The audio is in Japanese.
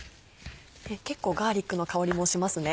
結構ガーリックの香りもしますね。